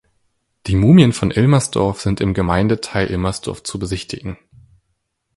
Die Mumien von Illmersdorf sind im Gemeindeteil Illmersdorf zu besichtigen.